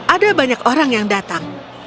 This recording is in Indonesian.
ada banyak orang yang datang